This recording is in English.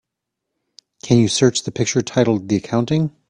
Can you search the picture titled The Accounting?